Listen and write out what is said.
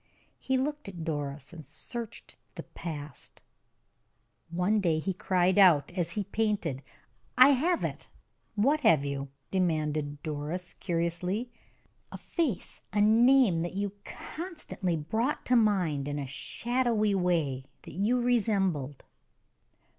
He looked at Doris and searched the past. One day he cried out, as he painted: "I have it!" "What have you?" demanded Doris, curiously. "A face, a name, that you constantly brought to mind in a shadowy way that you resembled."